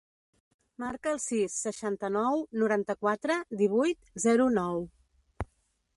Marca el sis, seixanta-nou, noranta-quatre, divuit, zero, nou.